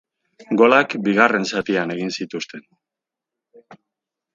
Golak bigarren zatian egin zituzten.